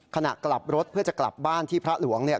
ขณะกลับรถเพื่อจะกลับบ้านที่พระหลวงเนี่ย